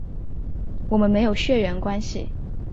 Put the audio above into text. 我们没有血缘关系